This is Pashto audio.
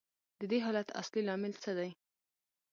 د دې حالت اصلي لامل څه دی